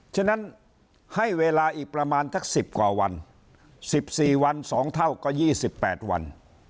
ฉะนั้นให้เวลาอีกประมาณสัก๑๐กว่าวัน๑๔วัน๒เท่าก็๒๘วัน